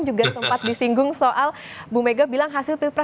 juga sempat disinggung soal bu mega bilang hasil pilpres